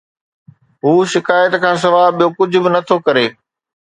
هو شڪايت کان سواءِ ٻيو ڪجهه به نٿو ڪري